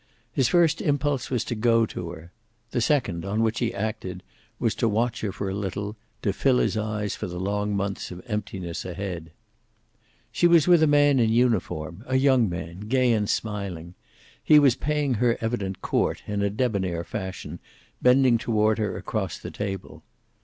His first impulse was to go to her. The second, on which he acted, was to watch her for a little, to fill his eyes for the long months of emptiness ahead. She was with a man in uniform, a young man, gay and smiling. He was paying her evident court, in a debonair fashion, bending toward her across the table.